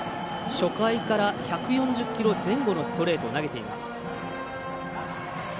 初回から１４０キロ前後のストレートを投げています。